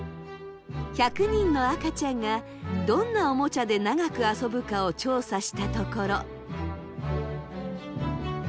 １００人の赤ちゃんがどんなおもちゃで長く遊ぶかを調査したところ。